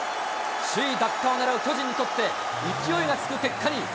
首位奪還を狙う巨人にとって、勢いがつく結果に。